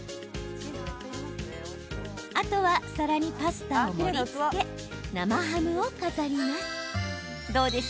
あとは皿に盛りつけ生ハムを飾ります。